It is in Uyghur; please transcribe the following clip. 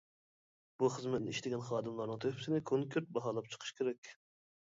بۇ خىزمەتنى ئىشلىگەن خادىملارنىڭ تۆھپىسىنى كونكرېت باھالاپ چىقىش كېرەك.